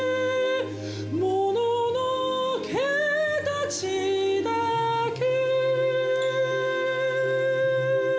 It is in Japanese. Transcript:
「もののけ達だけ」